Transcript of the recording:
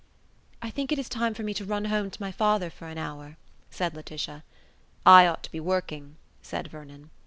"I think it is time for me to run home to my father for an hour," said Laetitia. "I ought to be working," said Vernon.